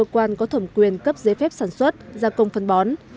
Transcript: các cơ quan có thẩm quyền cấp giấy phép sản xuất gia công phân bón